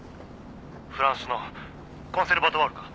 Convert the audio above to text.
フランスのコンセルヴァトワールか！？